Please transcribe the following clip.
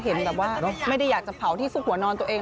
เห็นแบบว่าไม่ได้อยากจะเผาที่ซุกหัวนอนตัวเอง